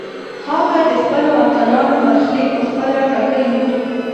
هغه د خپلو اتلانو برخلیک پخپله ټاکلی و.